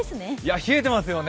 冷えてますよね。